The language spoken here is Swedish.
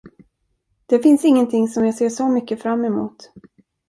Det finns ingenting som jag ser så mycket fram emot.